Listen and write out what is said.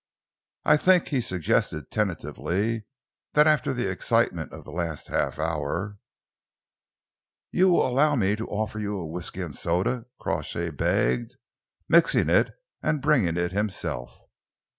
"I think," he suggested tentatively, "that after the excitement of the last half hour " "You will allow me to offer you a whisky and soda," Crawshay begged, mixing it and bringing it himself.